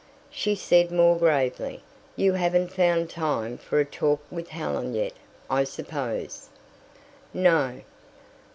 She said more gravely: "You haven't found time for a talk with Helen yet, I suppose?" "No."